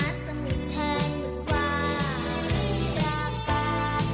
ภรรกคุณไม่พอไรน็อรับเราเข้าจริง